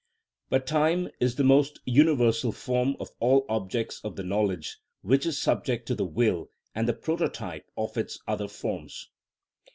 But time is the most universal form of all objects of the knowledge which is subject to the will, and the prototype of its other forms.